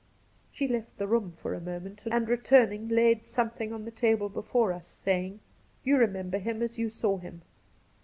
She left the room for a moment, and re turning, laid something on the table before us, saying :* You remember him as you saw him.